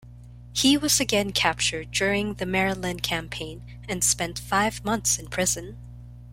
He was again captured during the Maryland Campaign and spent five months in prison.